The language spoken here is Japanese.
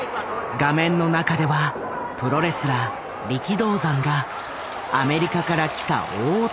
画面の中ではプロレスラー力道山がアメリカから来た大男を打ち負かしていた。